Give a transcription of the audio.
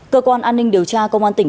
cơ quan an ninh điều tra công an tỉnh